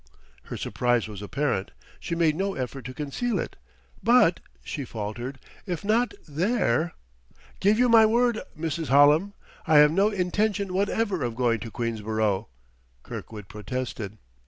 Her surprise was apparent; she made no effort to conceal it. "But," she faltered, "if not there " "'Give you my word, Mrs. Hallam, I have no intention whatever of going to Queensborough," Kirkwood protested.